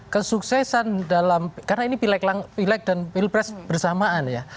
kesuksesan dalam karena ini pilek dan pilpres bersamaan ya